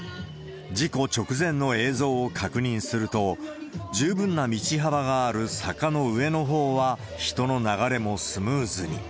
事故直前の映像を確認すると、十分な道幅がある坂の上のほうは、人の流れもスムーズに。